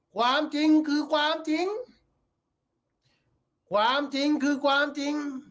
ความจริงคือความจริงความจริงคือความจริง